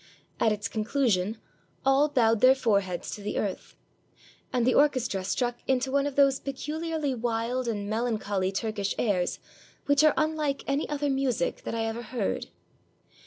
At its conclusion, all bowed their foreheads to the earth; and the orchestra struck into one of those peculiarly wild and melancholy Turkish airs which are unlike any other music that I ever heard.